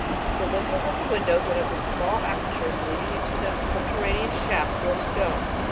The lintels of the windows and of the small apertures leading into the subterranean shafts were of stone.